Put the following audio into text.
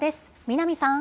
南さん。